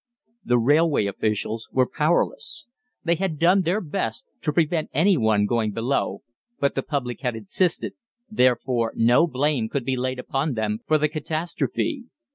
The railway officials were powerless. They had done their best to prevent any one going below, but the public had insisted, therefore no blame could be laid upon them for the catastrophe.